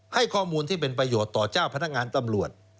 ให้ข้อมูลที่เป็นประโยชน์ต่อเจ้าพนักงานตำรวจ